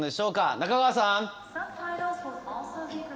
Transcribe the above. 中川さん！